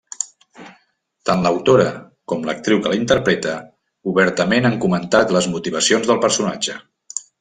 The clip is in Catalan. Tant l'autora com l'actriu que la interpreta obertament han comentat les motivacions del personatge.